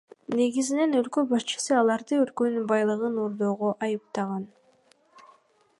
Негизинен өлкө башчысы аларды өлкөнүн байлыгын урдоого айыптаган.